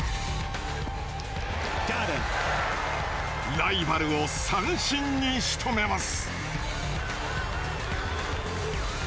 ライバルを三振にしとめます。